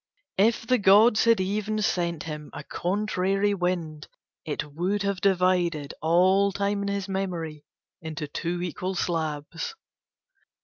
If the gods had even sent him a contrary wind it would have divided all time in his memory into two equal slabs.